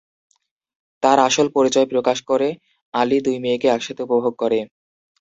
তার আসল পরিচয় প্রকাশ করে আলী দুই মেয়েকে একসাথে উপভোগ করে।